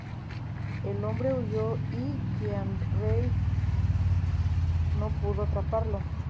El hombre huyó y Kearney no pudo atraparlo.